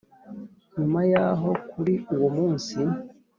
Nyuma yaho kuri uwo munsi